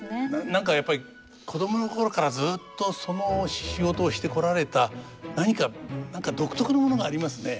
何かやっぱり子供の頃からずっとその仕事をしてこられた何か何か独特のものがありますね。